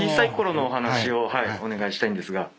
お願いしたいんですが。